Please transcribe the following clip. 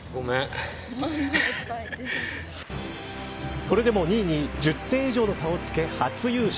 それでも２位に１０点以上の差をつけ初優勝